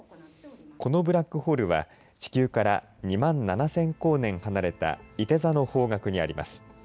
このブラックホールは地球から２万７０００光年離れたいて座の方角にあります。